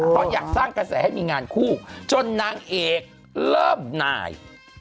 เพราะอยากสร้างกระแสให้มีงานคู่จนนางเอกเริ่มหน่าย